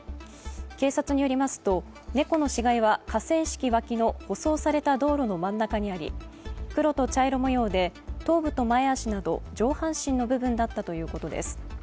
警察によりますと猫の死骸は河川敷脇の舗装された道路の真ん中にあり、黒と茶色模様で、頭部と前足など上半身の部分だったということです。